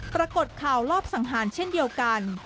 ปรากฏข่าวลอบสังหารเช่นเดียวกัน